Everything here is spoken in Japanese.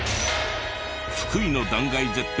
福井の断崖絶壁